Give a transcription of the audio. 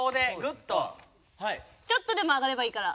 ちょっとでも上がればいいから。